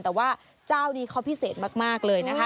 แต่ว่าเจ้านี้เขาพิเศษมากเลยนะคะ